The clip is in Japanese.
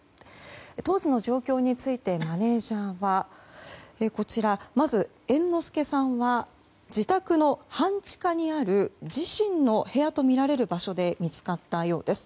当時の状況についてマネジャーはまず、猿之助さんは自宅の半地下にある自身の部屋とみられる場所で見つかったようです。